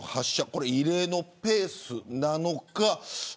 これは異例のペースなのか